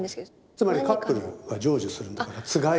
つまりカップルは成就するんだからつがい。